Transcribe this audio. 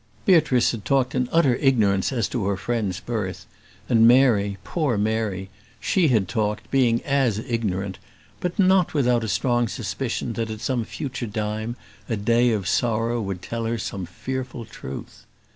Beatrice had talked in utter ignorance as to her friend's birth; and Mary, poor Mary, she had talked, being as ignorant; but not without a strong suspicion that, at some future time, a day of sorrow would tell her some fearful truth.